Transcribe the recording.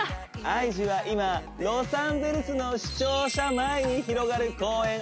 ＩＧは今ロサンゼルスの市庁舎前に広がる公園